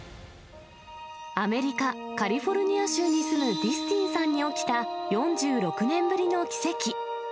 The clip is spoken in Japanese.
アメリカ・カリフォルニア州に住むディスティンさんに起きた４６年ぶりの奇跡。